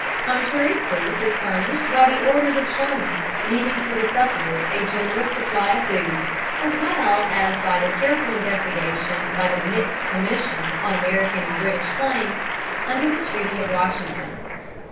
Contrary proof is furnished by the orders of Sherman, leaving for the sufferers a generous supply of food, as well as by the careful investigation by the mixed commission on American and British claims, under the treaty of Washington.